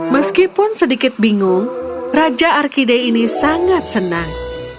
meskipun sedikit bingung raja arkide ini sangat senang